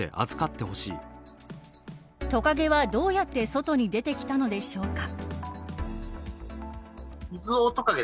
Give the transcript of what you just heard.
トカゲはどうやって外に出てきたのでしょうか。